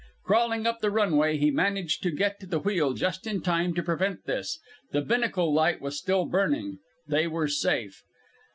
Crawling up the runway, he managed to get to the wheel just in time to prevent this. The binnacle light was still burning. They were safe!